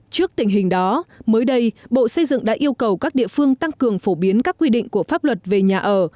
trước tình hình đó mới đây bộ xây dựng đã yêu cầu các địa phương tăng cường phổ biến các quy định của pháp luật về nhà ở